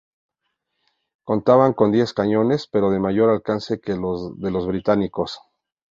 Contaban con diez cañones, pero de mayor alcance que los de los británicos.